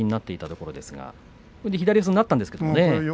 ここで左四つになったんですがね。